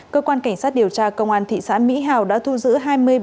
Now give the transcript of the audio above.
cơ quan cảnh sát điều tra công an thị xã mỹ hào đã thu giữ hai mươi